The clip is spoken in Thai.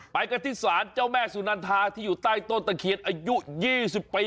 ไปกันที่ศาลเจ้าแม่สุนันทาที่อยู่ใต้ต้นตะเคียนอายุ๒๐ปี